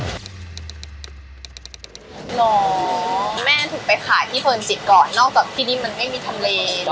หรอแม่ถูกไปขายที่เพลินจิตก่อนนอกจากที่นี่มันไม่มีทำเล